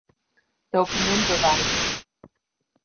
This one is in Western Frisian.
Dokumint bewarje.